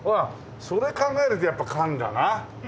それ考えるとやっぱ缶だな。